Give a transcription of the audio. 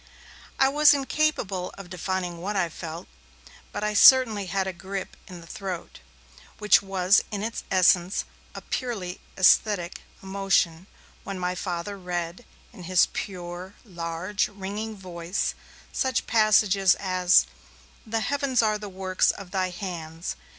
I was incapable of defining what I felt, but I certainly had a grip in the throat, which was in its essence a purely aesthetic emotion, when my Father read, in his pure, large, ringing voice, such passages as 'The heavens are the works of Thy hands.